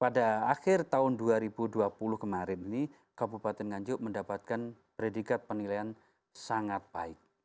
pada akhir tahun dua ribu dua puluh kemarin ini kabupaten nganjuk mendapatkan predikat penilaian sangat baik